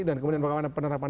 dan kemudian bagaimana penerapan